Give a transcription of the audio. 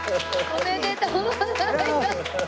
ありがとうございます。